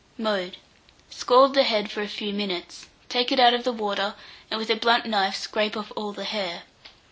Mode. Scald the head for a few minutes; take it out of the water, and with a blunt knife scrape off all the hair.